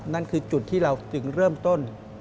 นั่นคือจุดที่เราจึงเริ่มต้น